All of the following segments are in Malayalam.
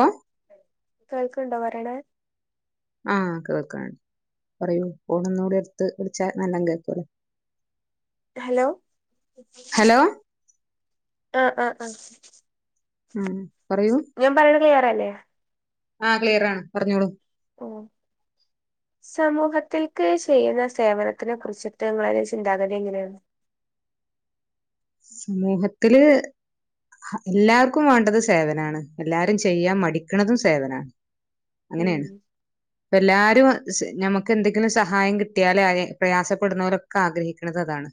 ഓഹ് കേൾക്കൊണ്ടോ പറയണേ ആഹ് കേൾക്കാം പറയൂ ഫോൺ ഒന്നും കൂടി അടുത്ത് പിടിച്ചാൽ നല്ലം കേക്കുലോ ഹലോ ഹലോ ആഹ് ആഹ് ആഹ് ഉം പറയൂ ഞാൻ പറയണ ക്ലിയറല്ലേ ആഹ് ക്ലീയർ ആണ് പറഞ്ഞോളൂ പോവ്വോ സമൂഹത്തിൽക്ക് ചെയ്യുന്ന സേവനത്തിനെ കുറിച്ചിട്ട് നിങ്ങളേ ചിന്താഗതി എങ്ങനെയാണ് സമൂഹത്തില് ഹ എല്ലാവർക്കും വേണ്ടത് സേവനാണ് എല്ലാരും ചെയ്യാൻ മടിക്കണതും സേവനാണ് ഉം അങ്ങനെയാണ് ഇപ്പ എല്ലാരും സെ ഞമക്ക് എന്തെങ്കിലും സഹായം കിട്ടിയാലേ അയിന് പ്രയാസപ്പെടുന്നവരൊ ക്ക ആഗ്രഹിക്കണത് അതാണ്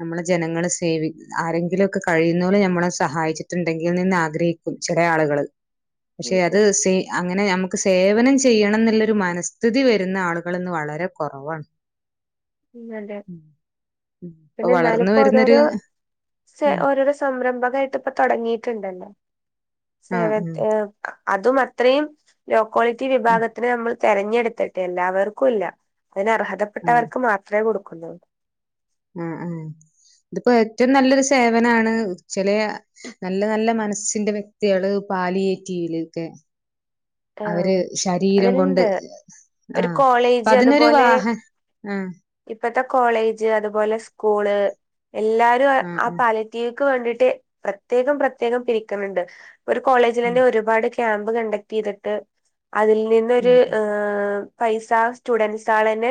നമ്മള് ജനങ്ങളെ സേവിക് ആരെങ്കിലും ഒക്കെ കഴിയുന്ന പോലെ ഞമ്മളെ സഹായിച്ചിട്ടുണ്ടെങ്കിൽ നിന്ന് ആഗ്രഹിക്കും ചെല ആളുകള് ഉം പക്ഷെ അത് ഉം സീ അങ്ങനെ ഞമ്മ ക്ക് സേവനം ചെയ്യണം എന്നുള്ളൊരു മനസ്ഥിതി വെരുന്ന ആളുകളിന്ന് വളരെ കൊറവാണ് ഉം അതെ ഇപ്പ പിന്നെ എന്നാലും വളർന്നു ഇപ്പോ വരുന്നൊരു ഓരോരോ സെ ആഹ് ഓരോരോ സംരംഭകായിട്ട് ഇപ്പ തൊങ്ങീട്ടുണ്ടല്ലോ സേവക് ആഹ് അതും അത്രയും ലോ ക്വാളിറ്റി ഉം വിഭാഗത്തിന് നമ്മള് തെരഞ്ഞെടുത്തിട്ട് എല്ലാവർക്കും ഇല്ല അതിന് അതെ അർഹതപ്പെട്ടവർക്ക് മാത്രേ കൊടുക്കുന്നുള്ളൂ ആഹ് ആഹ് ഇതിപ്പോ ഏറ്റവും നല്ലൊരു സേവനാണ് ചെലയ നല്ല നല്ല മനസ്സിന്റെ വ്യക്തികള് പാലിയേറ്റീവില്ക്കേ ആഹ് അവര് ശരീരം കൊണ്ട് അതിനുണ്ട് ഒരു ആഹ് അപ്പ കോളേജ് അതിനൊരു വാഹ ആഹ് ഇപ്പഴത്തെ കോളേജ് അതുപോലെ സ്കൂള് എല്ലാരും ആ ആഹ് പാലേ റ്റീവ്ക്ക് വേണ്ടീട്ട് പ്രത്യേകം പ്രത്യേകം പിരിക്കുന്നുണ്ട് ഒരു കോളേജിൽ ഉം തന്നെ ഒരുപാട് ക്യാമ്പ് കണ്ടക്ട് ചെയ്തിട്ട് അതിൽ ഉം നിന്നൊരു ആഹ് പൈസാ സ്റ്റുഡന്റ്സ് ആൾ തന്നെ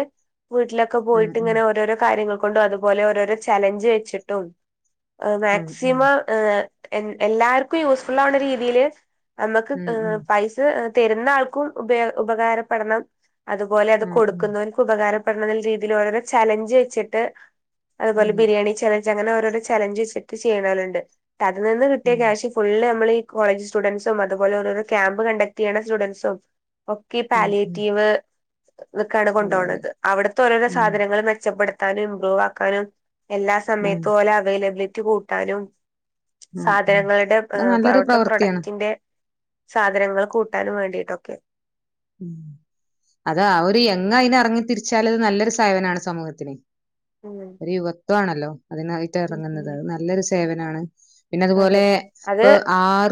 വീട്ടിലൊക്കെ ആഹ് പോയിട്ട് ഉം ഇങ്ങനെ ഓരോരോ കാര്യങ്ങൾ കൊണ്ടും അതുപോലെ ഓരോരോ ചലഞ്ച് വെച്ചിട്ടും അത് ആഹ് ആഹ് മാക്സിമം എല്ലാവർക്കും യൂസ്ഫുൾ ആവുന്ന രീതിയിൽ നമുക്ക് ഉം തരുന്ന ആൾക്കും ഉപകാരപ്പെടണം അത്പോലെ അത് ആഹ് ഉം കൊടുക്കുന്ന ഉപകാരപ്പെടണ രീതിയിൽ ഓരോരോ ചലഞ്ച് വെച്ചിട്ട് അതുപോലെ അതെ ബിരിയാണി ചലഞ്ച് അങ്ങനെ ഓരോ ചലഞ്ച് വെച്ചിട്ട് ചെയ്യണോരുണ്ട് അത് നിന്ന് കട്ടിയ ഉം ക്യാഷ് ഫുള് നമ്മൾ കോളജ് സ്റ്റുഡൻറ്സും അതുപോലെ ഓരോരോ ക്യാമ്പ് കണ്ടക്ട് ചെയ്യണ സ്റ്റുഡൻറ്സും ഒക്കെ ആഹ് ഉം പാല്യേറ്റീവ് ഇതൊക്കെയാണ് കൊണ്ട അതെ അതെ പോണത് അവിടുത്തെ ഓരോരോ ഉം സാധനങ്ങൾ മെച്ചപ്പെടുത്താനും ഇംമ്പ്രൂവ് ആക്കാനും എല്ലാ ആഹ് സമയത്തും ഓല അവൈലബിലിറ്റി കൂട്ടാനും ഉം ഉം സാധനങ്ങളുടെ അത് പ നല്ലൊരു അവിര്ട പ്രവൃത്തിയാണ് പ്രൊഡക്ടിന്റെ സാധനങ്ങൾ കൂട്ടാനും വേണ്ടിയിട്ടൊക്കെയാ ഉം അതാ ഒരു എങ്ങ് അയിന് ഇറങ്ങി തിരിച്ചാല് അത് നല്ലൊരു സേവനാണ് സമൂഹത്തിന് ഉം യുവത്വാണല്ലോ അതിനായിട്ട് ഉം ഉം ഇറങ്ങുന്നത് അത് നല്ലൊരു സേവനമാണ് പിന്നെ അതെ അതുപോലെ അത് ഇപ്പ ആർ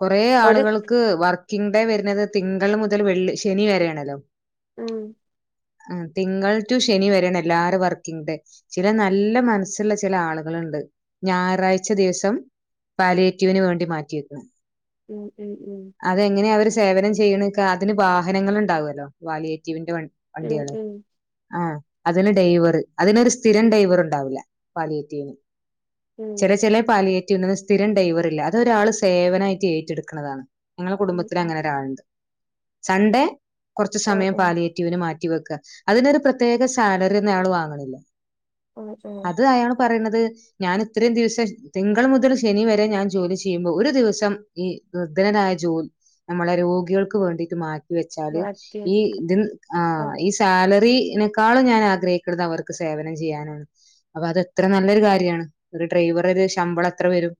കൊറെ ഒരു ആളുകൾക്ക് ക്ക് വർക്കിംഗ് ഡേ വരുന്നത് തിങ്കൾ മുതൽ വെള്ളി ശനി വരെയണല്ലോ ഉം തിങ്കൾ ടു ശനി വരണ എല്ലാരും വർക്കിംഗ ഡേ ചില നല്ല മനസ്സുള്ള ചില ആളുകളുണ്ട് ഞായറാഴ്ച ദിവസം പാലിയെറ്റീവിന് വേണ്ടി മാറ്റിെക്കുന്നു ഉം ഉം ഉം അതെങ്ങനെയ അവര് സേവനം ചെയ്യണ അതിന് വാഹനങ്ങൾ ഉണ്ടാവുമല്ലോ വാലിയേറ്റീവിന്റെ ഉം വണ്ടിയാണ് ഉം ആഹ് അതിന് ഡൈവർ അതിനൊരു സ്ഥിരം ഡൈവർ ഉണ്ടാവില്ല പാലിയേറ്റീന് ഉം ചില ചില പാലിയേറ്റിവിനു സ്ഥിരം ഡ്രൈവറല്ല അതൊരാള് സേവനമായിട്ട് ഏറ്റെടുക്കണതാണ് ഞങ്ങളെ ഉം കുടുംബത്തിന് ഉം അങ്ങനെ ഒരാളുണ്ട് സൺഡേ കുറച്ചു ആഹ് സമയം ആഹ് പാലിയേറ്റിവന് മാറ്റിവെക്ക അതിനൊരു പ്രത്യേക സാലറി ഒന്നും അയാള് വാങ്ങണില്ല ആഹ് ആഹ് അത് അയാള് പറയണത് ഞാൻ ഇത്രയും ദിവസം തിങ്കൾ മുതൽ ശനി വരെ ഞാൻ ജോലി ചെയ്യുമ്പോ ഒരു ദിവസം ഈ വൃധനനായ ജോലി നമ്മളെ രോഗികൾ മാറ്റ വെച്ചാല് മാറ്റി അതെ ഈ സാലറിനെക്കാളും ഞാൻ ആഗ്രഹിക്കുന്നത് അവർക്ക് സേവനം ചെയ്യാനാണ് അപ്പൊ അതത്ര നല്ലൊരു കാര്യമാണ് ഒരു ഡ്രൈവർ ഒരു ശമ്പളം അത്ര വരും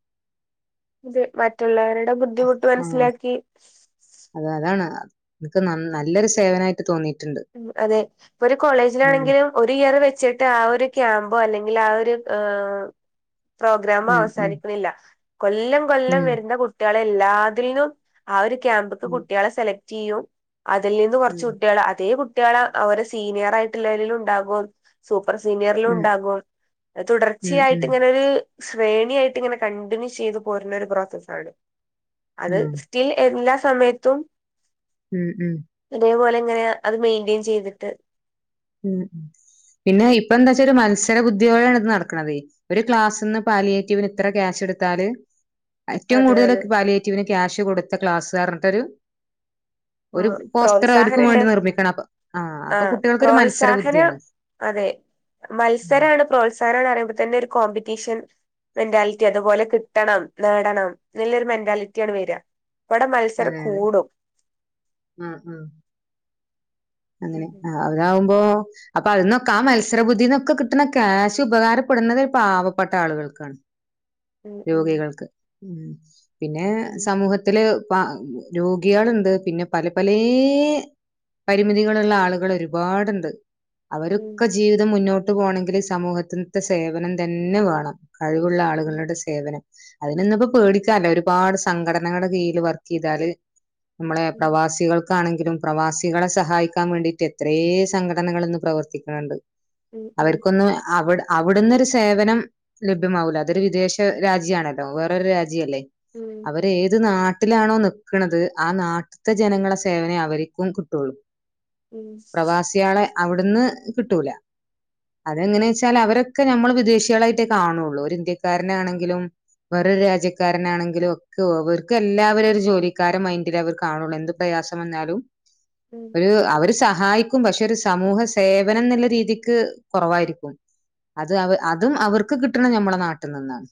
അതെ മറ്റുള്ളവരുടെ ബുദ്ധിമുട്ട് മനസ്സിലാക്കി അത അതാണ് ഇനിക്ക് നല്ലൊരു സേവനായിട്ട് തോന്നി അതെ ഇപ്പൊ ഒരു കോളേജിലാണെങ്കിലും ഒരു ഇയർ വെച്ചിട്ട് ആ ഒരു ക്യാമ്പോ അല്ലെങ്കിൽ ആ ഒരു പ്രോഗ്രാമ ഉം ഉം അവസാനിക്കുന്നില്ല കൊല്ലം കൊല്ലം ഉം വരുന്ന കുട്ടികളെ എല്ലാതിൽന്നും ആ ഒരു ക്യാമ്പ്ക്ക് ഉം കുട്ടികളെ സെലക്ട് ചെയ്യും അതിൽ നിന്ന് കുറച്ച ഉം കുട്ടിയാളെ അതേ കുട്ടികള അവരെ സീനിയർ ആയിട്ടുള്ളലും ഉണ്ടാകുമോ സൂപ്പർ സീനിയറിലും ഉണ്ടാകുമോ ഉം ഉം തുടർച്ചയായിട്ട് ഉം ഇങ്ങനെരു ശ്രേണിയായിട്ട് ഇങ്ങനെ കണ്ടിന്യൂ ചെയ്ത് പോരുന്ന ഒരു പ്രോസസ്സ ആണ് അത് ഉം തിൽ എല്ലാ സമയത്തും ഉം ഉം അതേപോലെങ്ങനെ അത് മെയിന്റെയിൻ ചെയ്തിട്ട് ഉം പിന്നെ ഇപ്പൊ എന്താ വെച്ചാ ഒരു മത്സര ബുദ്ധിയോടൊണ് ഇത് നടക്കണത് ഒരു ക്ലാസ്ന്ന് പാലിയേറ്റവന് ഇത്ര ക്യാഷ് എടുത്താല് ഏറ്റവും അതെ കൂടുതൽ അതെ പാലിയറ്റിവിന് ക്യാഷ് കൊടുത്ത ക്ലാസ്സുകാരട്ടൊരു ഒരു ആഹ് പോസ്റ്റർ അവർക്ക് പ്രോത്സാഹനണ്ട് വേണ്ടി നിർമ്മിക്കണം അപ്പ ആ അപ്പൊ ആഹ് കുട്ടികൾക്കരു മന പ്രോത്സാഹനം അതെ ഉം. മത്സരാണ് പ്രോത്സാഹനംന്ന് പറിയുമ്പോ തന്നെ ഒരു കോമ്പറ്റീഷൻ മെന്റാലിറ്റി അതുപോലെ കിട്ടണം, നേടണം. നല്ലൊരു മെന്റാലിറ്റി ആണ് വര ഇവിടെ മത്സരം കൂടും ഉം ഉം അങ്ങനെ ഉം ആഹ് അവരാവുമ്പോ അപ്പൊ അതിനൊക്കെ, ആ മത്സരബുദ്ധിന്നൊക്കെ കിട്ടുന്ന ക്യാഷ് ഉപകാരപ്പെടുന്നത് ഒരു പാവപ്പെട്ട ആളുകൾക്ക്. ആഹ് ഉം ഉം രോഗികൾക്ക്, ഉം പിന്നെ ഉം സമൂഹത്തിൽ രോഗികളുണ്ട്. പിന്നെ പലെ പലേ പരിമിതികളുള്ള ആളുകൾ ഒരുപാടുണ്ട്. ഉം അവരൊക്കെ ജീവിതം മുന്നോട്ട് പോണങ്കിൽ സമൂഹത്തിൽത്തെ സേവനം തന്നെ വേണം. കഴിവുള്ള ഉം ആളുകളുടെ സേവനം അതിനൊന്നും ഇപ്പോ പേടിക്കാല്ല ഒരുപാട് സംഘടനകളുടെ കീഴിൽ വർക്കീതാല് നമ്മളെ ഉം പ്രവാസികൾക്കാണെങ്കിലും പ്രവാസികളെ സഹായിക്കാ വേണ്ടിട്ട് എത്രേ സംഘടനകൾ ഇന്ന് പ്രവർത്തിക്ക്ണ് ണ്ട് ഉം ഉം അവർക്കൊന്നും അവിടെ അവ്ടുന്നൊരു സേവനം ലഭ്യമാവൂ ല്ല അതൊരു വിദേശ രാജ്യണല്ലോ വേറൊരു രാജ്യല്ലേ ഉം അവര് ഏത് നാ ട്ട്ലാണോ നിക്ക്ണത് ആ നാട്ട്ത്തെ ജനങ്ങളെ സേവനേ അവര്ക്കും കിട്ടൊള്ളൂ. ഉം പ്രവാസേളെ അവ്ട്ന്ന് കിട്ടൂല ഉം അതെങ്ങനേച്ചാൽ അവരെ ഒക്കെ നമ്മൾ വിദേശേളായിട്ടേ കണൊള്ളൂ ഒര് ഇന്ത്യക്കാരനാണെങ്കിലും വേറൊരു രാജ്യക്കാരനാണെങ്കിലും ഒക്ക അവർക്ക് എല്ലാവരും ഒരു ജോലിക്കാര മൈൻഡില് അവർ കാണൊള്ളൂ എന്ത് പ്രയാസം വന്നാലും ഉം ഒരു അവര് സഹായിക്കും പക്ഷെ ഒരു സമൂഹ സേവനം ന്ന്ള്ള രീതിക്ക് കൊറവായിരിക്കും അത് അവ അതും ഉം അവർക്ക് കിട്ട്ണ ഞമ്മള നാട്ട് നിന്നാണ്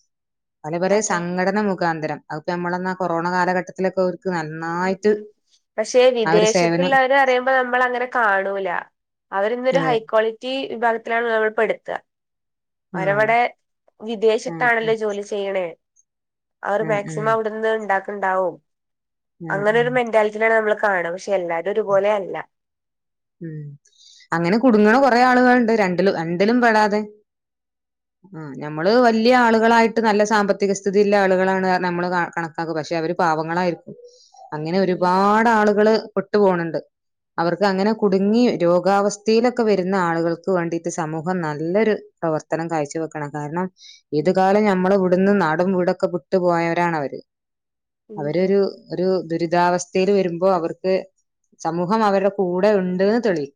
പല പലേ അതെ സംഘടന മുഖാന്തരം അത്പ്പ നമ്മളെന്നാ കൊറോണ കാലഘട്ടത്തിലൊക്കെ ഓര്ക്ക് ന പക്ഷെ സേവനം വിദേശത്ത്ള്ളവരെ പറയുമ്പോ നമ്മൾ അങ്ങനെ കാണൂല അവര് ഇന്നൊരു അതെ ഹൈ ക്വാളിറ്റി വിഭാഗത്തിലാണ് നമ്മൾ പെട്ത്ത ആഹ് ഓരവടെ ഉം വിദേശത്താണല്ലോ ജോലി ചെയ്യ്ണേ അവർ ഉം ഉം മാക്സിമം ഉം അവ്ട്ന്ന് ഇണ്ടാക്ക്ണ്ടാവും ഉം അങ്ങനെ ഉം ഒരു മെന്റാ ലാണ് നമ്മള് കാണ പക്ഷെ എല്ലാരു ഒരുപോലെ അല്ല ഉം അങ്ങനെ കുട്ങ്ങ്ണ കൊറേ ആള്കള്ണ്ട് രണ്ടിലും രണ്ടിലും പെടാതെ ആഹ് ഞമ്മള് വല്ല്യ ആള്കളായിട്ട് നല്ല സാമ്പത്തിക സ്ഥിതിള്ള ആള്കളാണ് നമ്മള് ക കണക്കാക്ക പക്ഷെ അവര് പാവങ്ങളായിരി അങ്ങനെ ഉം ഒരുപാടാള്കള് പെട്ടു പോണ് ണ്ട് അവർക്ക് അങ്ങനെ കുട്ങ്ങി രോഗാവസ്ഥീലൊക്കെ വര്ന്ന ആള്കൾക്ക് വാണ്ടിട്ട് സമൂഹം നല്ലൊര് പ്രവർത്തനം കാഴ്ച്ച വെക്കണം കാര്ണം ഏത് കാലം ഞമ്മള ഇവ്ട്ന്ന് നാടും വീടൊക്കെ വിട്ട് പോയവരാണ് അവര് ഉം അവരൊരു ഒരു ദുരിതാവസ്ഥേൽ വരുമ്പോ അവർക്ക് സമൂഹം അവര്ടെ കൂ ടെ ഇണ്ട്ന്ന് തെളി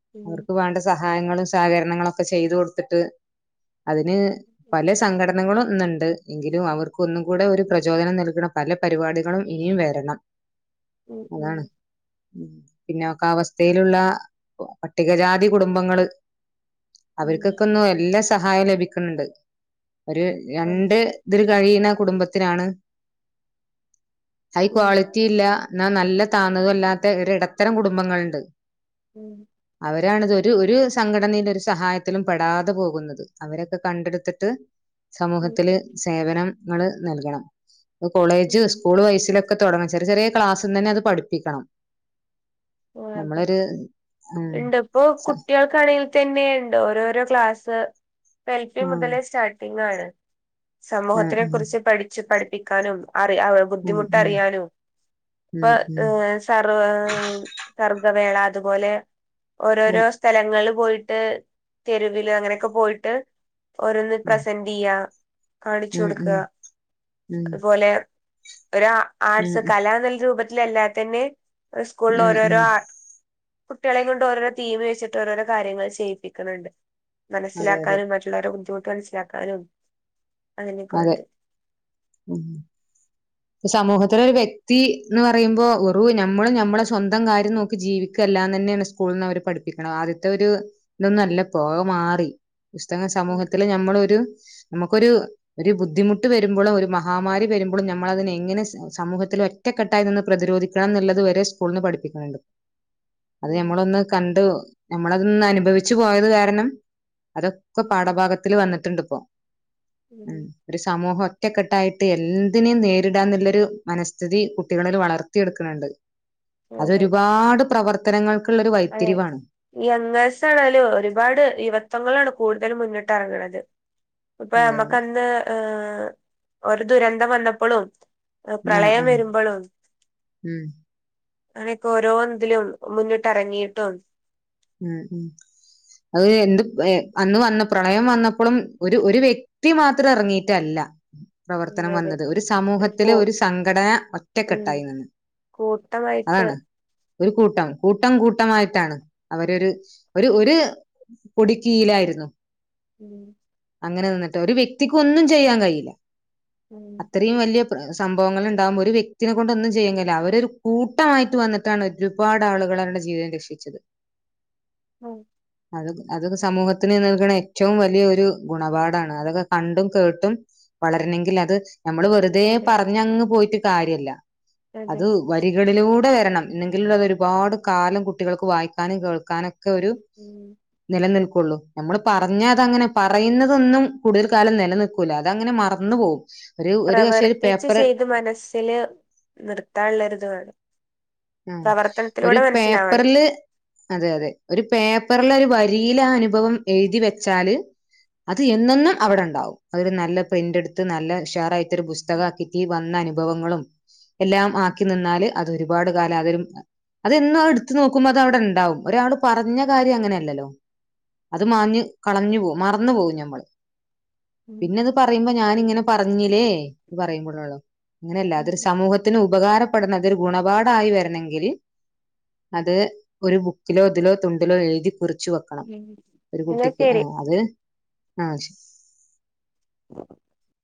ഉം അവർക്ക് വേണ്ട സാ സഹായങ്ങളും സഹകരണങ്ങളൊക്കെ ചെയ്ത് കൊട്ത്ത്ട്ട് അതിന് അതെ പലേ സംഘടനകളും ഇന്ന്ണ്ട് എങ്കിലും അവർ ഒന്നും കൂടെ ഒരു പ്രചോദനം നൽക്ണ പല പരിവാടികളും ഇനിയും വരണം ഉം ഉം ഉം പിന്നൊക്ക അവസ്ഥേലുള്ള പട്ടികജാതി കുടുംബങ്ങള് ഉം ഉം ഉം അവര്ക്കൊക്കെ ഒന്നു എല്ലാ സഹായം ലഭിക്ന്ന്ണ്ട് ഒര് അതെ രണ്ട് ഇതില് കഴിയുന്ന കുടുംബത്തിനാണ് ഹൈ ഉം ക്വാളി റ്റിയില്ല ന്നാ നല്ല താന്നതു അല്ലാത്ത ഒരു എടത്തരം കുടുംബങ്ങള്ണ്ട് ഉം അവരാണ്തൊരു ഒരു സംഘടനില്ല ഒരു സഹായത്തിലും പെടാത പോകുന്നത് അവരൊക്കെ കണ്ടെടുത്ത്ട്ട് [inaudible] സമൂഹത്തില് ഉം സേവനം ങ്ങൾ നല്കണം കോളേജ് ഉം സ്കൂൾ വെയ്സിലൊ ക്കെ തൊടങ്ങണം ചെറി ചെറേ ക്ലാസ്സ് ന്നന്നെ അത് പഠിപ്പിക്കണം ഓ [unintelligible] നമ്മളൊരു ഉം ഇണ്ട് ഇപ്പോ സ കു ട്ടേൾക്കാണേൽ തന്നേണ്ട് ഓരോരോ ക്ലാസ്സ് എ ൽ പി ഉം മുതലേ സ്റ്റാട്ടിങ്ങാണ് ഉം സമൂഹത്തിനെ കുറിച്ച് പഠിച്ചു പഠിപ്പിക്കാനും അറി ഉം ബുദ്ധിമുട്ട് ഉം അറിയാനു ഇപ്പ ഉം ഉം സർ സർഗ്ഗവേള അത്പോലെ ഉം ഓരോരോ സ്ഥലങ്ങൾല് പോയിട്ട് തെരുവില് അങ്ങനൊക്കെ പോയിട്ട് ഓരോന്ന് ഉം പ്രസന്റ്- ന്റെയ്യ കാണിച്ചു ഉം കൊടുക്ക ഉം ഉം അതുപോലെ ഒരാ - ഉം ആർട്സ് കല ന്ന്ള്ള രൂപത്തിലല്ലാതെ തനെ ഉസ്കൂളിൽ ഉം ഓരോര് - ഉം കുട്ട്യേളെ കൊണ്ട് ഓരോരോ തീം വെച്ചിട്ട് ഓരോരോ കാര്യങ്ങൾ ചെയ്യിപ്പിക്ക്‌ണ് ണ്ട്. അതെ അതെ മനസ്സിലാക്കാനും മറ്റുള്ളവരുടെ ബുദ്ധിമുട്ട് മനസ്സിലാക്കാനും. അങ്ങനെയൊക്കെ അതെ വേണ്ടി ഉം [unintelligible] സമൂഹത്തിലൊരു വ്യക്തി എന്ന് പറയുമ്പോ ഒറു ഞമ്മളും ഞമ്മളെ സ്വന്തം കാര്യം നോക്കി ജീവിക്കെല്ലാന്നെനെണ്. സ്കൂള്ന്ന് അവര് പഠിപ്പിക്കണത് ആദ്യത്തെ ഒരു ഇതൊന്നും അല്ല ഇപ്പൊ അത് മാറി. പുസ്തകങ്ങൾ ഉം സമൂഹത്തില് നമ്മളൊരു നമുക്കൊരു. ഒരു ബുദ്ധിമുട്ട് വെരുമ്പൊളോ ഒരു മഹാമാരി വെരുബൊളൊ നമ്മളതിനെ എങ്ങനെ സ- സമൂഹത്തിൽ ഒറ്റക്കെട്ടായി നിന്ന് പ്രതിരോധിക്കണം ന്ന്ള്ളത് വരെ സ്കൂള്ന്ന് പഠിപ്പിക്കുന്നുണ്ട്. അത് ഉം ഞമ്മളൊന്ന് കണ്ടു ഞമ്മളതൊന്ന് അനുഭവിച്ചു പോയത് കാരണം. അതൊക്കെ ഉം പാഠഭാഗത്തില് വന്നിട്ട്ണ്ട് പ്പോ ഉം. ഒരു സമൂഹം ഒറ്റക്കെട്ടായിട്ട് എന്തിനേം നേരിടാന്ന്ള്ളൊരു മനഃസ്ഥിതി കുട്ടികളില് വളർത്തിയെട്ക്ക്‌ണ് ണ്ട്. [unintelligible] അതൊരുപാട് പ്രവർത്തനങ്ങൾക്ക്‌ള്ളൊരു വഴിത്തിരിവാണ്. യംഗേഴ്സ് ആണെലും ഒരുപാട് യുവത്തങ്ങളാണ് കൂടുതലും മുനിട്ടെറങ്ങണത്. ഇപ്പ അതെ അതെ നമ്മക്കന്ന് ഏ ഒരു ദുരന്തം വന്നപ്പളും. അ ആഹ് പ്രളയം ആഹ് വെരുമ്പളും. ഉം അങ്ങനിപ്പോ ഓരോന്ന്തിലും മുനിട്ടെറങ്ങിയിട്ടും. ഉം ഉ അത് എന്ത് പ് എ അന്ന് വന്ന് പ്രളയം വന്നപ്പളും ഒരു ഒരു വെക്- ക്‌തി മാത്രം എറങ്ങീറ്റല്ല. ഉം പ്രവർത്തനം അതെ വന്നത്, ഒരു സമൂഹത്തില് ഒരു സംഘടന ഉം ഒറ്റക്കെട്ടായി നിന്ന്. കൂട്ടമായിട്ട്. അതാണ് ഒരു കൂട്ടം കൂട്ടം കൂട്ടമായിട്ടാണ്. അവരൊര് ഒരു ഒര് പൊടി കീയിലായിരുന്നു. ഉം അങ്ങനെ നിന്നിട്ട് ഒരു വ്യക്തിക്കൊന്നും ചെയ്യാൻ കയ്യില്ല. ഉം അത്രയും വല്ല്യ പ്ര സംഭവങ്ങള്ണ്ടാവുമ്പോ ഒരു വ്യക്തിനെ കൊണ്ടൊന്നും ചെയ്യാൻ കയ്യില്ല, അവരൊരു കൂട്ടമായ്ട്ട് വന്ന്- ട്ടാണ് ഒരുപാട് ആളുകൾ അവരുടെ ജീവിതം രക്ഷിച്ചത്. ഉം അത് അതൊക്കെ സമൂഹത്തിന് നൽകണെ ഏറ്റവും വലിയ ഒരു ഗുണപാടാണ് അതൊക്കെ കണ്ടും കേട്ടും. വളരണങ്കിലത് ഞമ്മള് വെറുതെ അതെ പറഞ്ഞങ്ങ് പോയ്റ്റ് കാര്യല്ല അതെ അത്. വരികളിലൂടെ വെരണം എന്നെങ്കിലുള്ളത് ഒരുപാട് കാലം കുട്ടികൾക്ക് വായിക്കാനും കേൾക്കാനും ക്കൊരു ഉം ന്നിലനിൽക്കൊള്ളൂ ഞമ്മള് പറഞ്ഞതങ്ങനെ- പറയുന്നതൊന്നും കൂടുതൽ കാലം നിലനിൽക്കൂല അതങ്ങനെ മറന്ന് പോകും. പ്രവർത്തിച്ച് ചെയ്ത് മനസ്സില് നിർത്താൻളൊരു ഇത് വേണം. ഉം ഒരു പ്രവർത്തനത്തിലൂടെ മനസ്സിലാവണം പേപ്പർല്- അതെ അതെ ഒരു പേപ്പർല് ഒരു വരിയില് ആ അനുഭവം എഴുതി വെച്ചാല്. അത് എന്നെന്നും അവട്ണ്ടാവും അതൊരു ന്നല്ല പ്രിന്റെടുത്ത് നല്ല ഉഷാറായിട്ടൊരു ബുസ്- ഉം പുസ്തകാക്കിറ്റ് ഈ വന്ന അനുഭവങ്ങളും എല്ലാം ആക്കി നിന്നാല് അത് ഒരുപാട്. കാലാതരും അതെന്നും അത് എടുത്തു നോക്കുമ്പൊ അത് അവട്ണ്ടാവും ഒരാളും പറഞ്ഞ കാര്യം അങ്ങനല്ലലൊ. അത് മാഞ് കളഞ്ഞു പോകും മറന്നു പോവും ഞമ്മള് ഉം പിനത് പറ- പറയ്പോ ഞാനിങ്ങനെ പറഞ്ഞില്ലേത് പറയുമ്പോഴള്ളോ അങ്ങനെയല്ല ഉം അത സമൂഹ ത്തിന് ഉപകാരപ്പെട്ണ ഇതെരുഗുണപാട് മായി വരണെങ്കില് അത് ഒരു ബുക്കിലോ തിലോ തുണ്ടിലോ എഴുതി കുറിച്ച് വക് ക്കണം ഉം ഒരു എന്നാ കുട്ടിക്ക് ശരി ആഹ് അത് ആ ശ്. [inaudible]